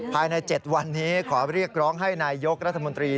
ภายใน๗วันนี้ขอเรียกร้องให้นายยกรัฐมนตรี